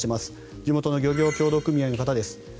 地元の漁業協同組合の方です。